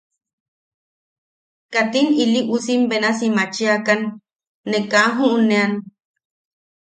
Katim iliusim benasi machiakan, ne kaa juʼunean...